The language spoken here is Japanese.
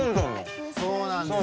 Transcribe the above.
そうなんですね。